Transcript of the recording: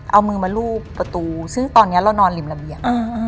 เอามือมารูปประตูซึ่งตอนนี้เรานอนริมระเบียง